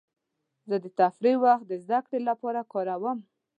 زه د تفریح وخت د زدهکړې لپاره کاروم.